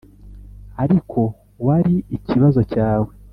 ariko wari ikibazo cyawe.